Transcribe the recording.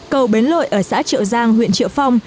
cầu bến lội ở xã triệu giang huyện triệu phong